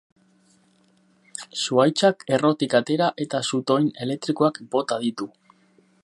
Zuhaitzak errotik atera eta zutoin elektrikoak bota ditu.